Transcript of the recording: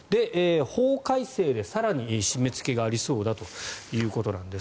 法改正で、更に締めつけがありそうだということです。